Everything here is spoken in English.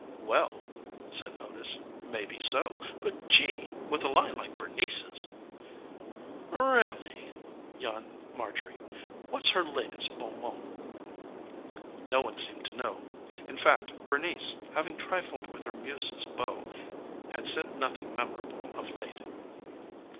"Well," said Otis, "maybe so. But gee! With a line like Bernice's " "Really?" yawned Marjorie. "What's her latest bon mot?" No one seemed to know. In fact, Bernice, having trifled with her muse's beau, had said nothing memorable of late.